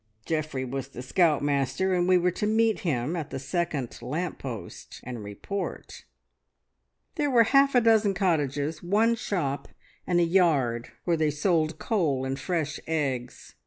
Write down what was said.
Geoffrey was the scout master, and we were to meet him at the second lamp post and report. "There were half a dozen cottages, one shop, and a yard where they sold coal and fresh eggs.